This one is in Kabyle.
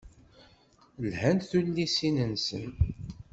Lhant tullisin-nsen.